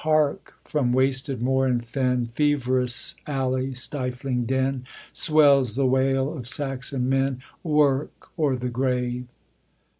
Hark! from wasted moor and fen, Feverous alley, stifling den, Swells the wail of Saxon men Work! or the grave!